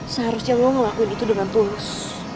seharusnya lo ngelakuin itu dengan tulus